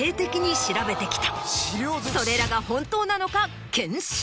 それらが本当なのか。